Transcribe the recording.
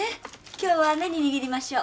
今日は何握りましょう？